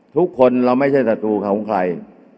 ทุกคนเราไม่ใช่ศัตรูของใคร